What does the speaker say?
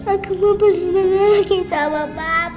aku mau punduk nama lagi sama papa